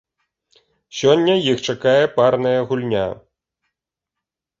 Сёння іх чакае парная гульня.